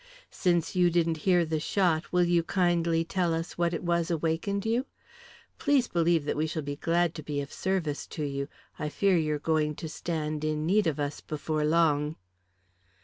Since you didn't hear the shot, will you kindly tell us what it was awakened you? Please believe that we shall be glad to be of service to you. I fear you're going to stand in need of us before long."